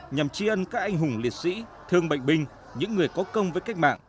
nhằm tri ân các anh hùng liệt sĩ thương bệnh binh những người có công với cách mạng